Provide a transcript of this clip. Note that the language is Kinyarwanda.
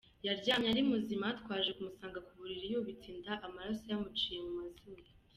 Yaryamye ari muzima, twaje kumusanga ku buriri yubitse inda, amaraso yamuciye mu mazuru.